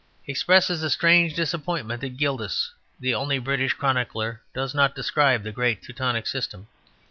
He expresses a "strange disappointment" that Gildas, the only British chronicler, does not describe the great Teutonic system.